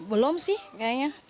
belum sih kayaknya